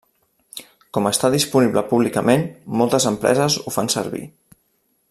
Com està disponible públicament, moltes empreses ho fan servir.